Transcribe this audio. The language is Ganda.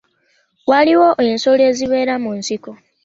Waliwo ensolo ezibeera mu nsiko.